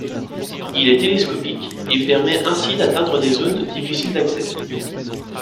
Il est télescopique et permet ainsi d'atteindre des zones difficiles d'accès.